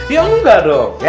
ya enggak dong